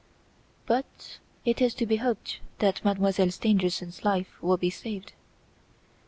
"But it is to be hoped that Mademoiselle Stangerson's life will be saved."